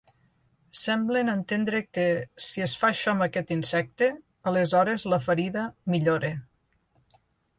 Semblen entendre que, si es fa això amb aquest insecte, aleshores la ferida millora.